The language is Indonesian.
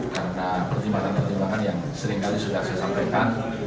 karena pertimbangan pertimbangan yang seringkali sudah saya sampaikan